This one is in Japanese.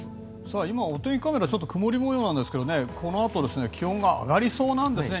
今、お天気カメラ曇り模様なんですがこのあと気温が上がりそうなんですね。